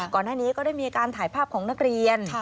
ก่อนหน้านี้ก็ได้มีการถ่ายภาพของนักเรียน